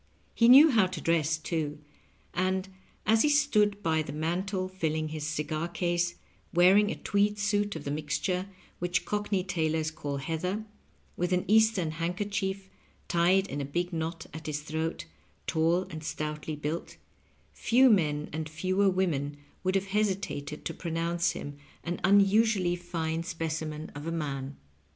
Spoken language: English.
He knew how to dress, too, and as he stood by the mantel filling his cigar case, wearing a tweed suit of the mixture which Cockney tailors call heather, with an Eastern handkerchief tied in a big knot at his throat, tall and stoutly built, few men and fewer women would have hesitated to pronounce him an unusually fine specimen Digitized by VjOOQIC 208 LOVE AND LIQHTNING. of a man.